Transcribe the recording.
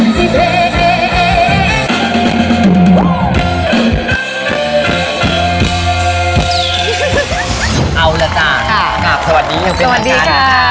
สวัสดีค่ะ